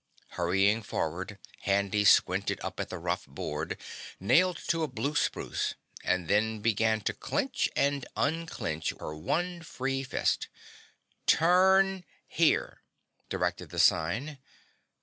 Hurrying forward, Handy squinted up at the rough board nailed to a blue spruce and then began to clench and unclench her one free fist. "TURN HERE!" directed the sign.